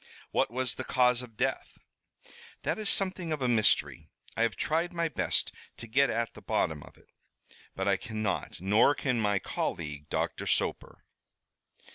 "What was the cause of death?" "That is something of a mystery. I have tried my best to get at the bottom of it, but I cannot, nor can my colleague, Doctor Soper."